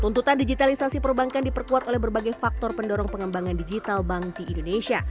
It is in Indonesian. tuntutan digitalisasi perbankan diperkuat oleh berbagai faktor pendorong pengembangan digital bank di indonesia